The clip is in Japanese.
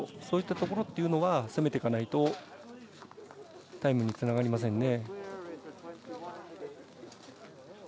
そういったところは攻めていかないとタイムにつながりませんね。